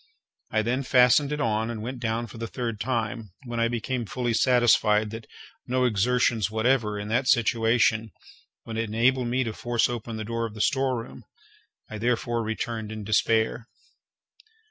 I then fastened it on and went down for the third time, when I became fully satisfied that no exertions whatever, in that situation, would enable me to force open the door of the storeroom. I therefore returned in despair.